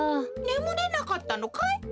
ねむれなかったのかい？